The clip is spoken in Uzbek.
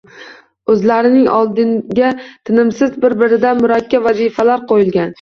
Oʻzlarining oldiga tinimsiz bir-biridan murakkab vazifalar qoʻygan